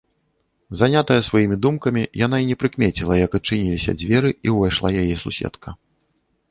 Занятая сваімі думкамі, яна і не прыкмеціла, як адчыніліся дзверы і ўвайшла яе суседка.